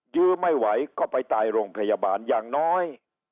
ยื้อไม่ไหวก็ไปตายโรงพยาบาลอย่างน้อย